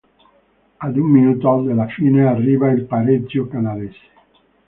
Ad un minuto dalla fine arriva il pareggio canadese.